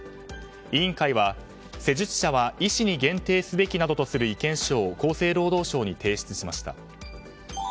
委員会は、施術者は医師に限定すべきなどとする意見書を厚生労働省に提出しました。